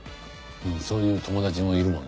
そういう友達もいるもんね。